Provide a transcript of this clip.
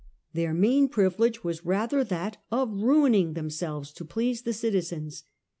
Their main privilege was rather that of ruining themselves to please the citizens.